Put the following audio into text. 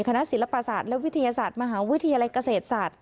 ศิลปศาสตร์และวิทยาศาสตร์มหาวิทยาลัยเกษตรศาสตร์